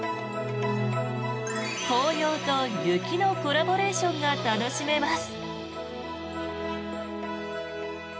紅葉と雪のコラボレーションが楽しめます。